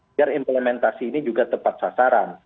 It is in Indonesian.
agar implementasi ini juga tepat sasaran